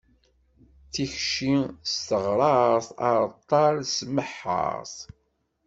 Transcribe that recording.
Tikci s teɣṛaṛt, areṭṭal s tmeḥḥaṛt.